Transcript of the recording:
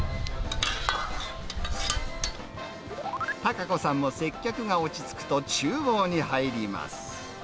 孝子さんも接客が落ち着くと、ちゅう房に入ります。